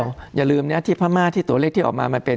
อย่าลืมนะที่พม่าที่ตัวเลขที่ออกมามาเป็น